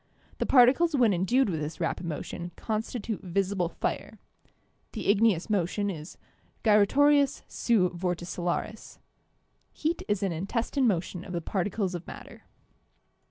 The particles when endued with this rapid motion constitute visible fire. ... The igneous motion is 'gyratorius seu vorticillaris.' ... Heat is an intestine motion of the particles of matter."